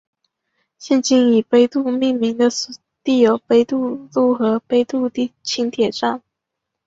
现今以杯渡命名的地有杯渡路和杯渡轻铁站。